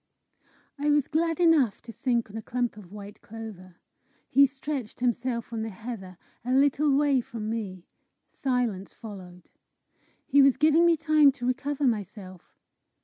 I was glad enough to sink on a clump of white clover. He stretched himself on the heather, a little way from me. Silence followed. He was giving me time to recover myself.